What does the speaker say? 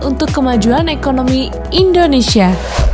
untuk kemajuan ekonomi indonesia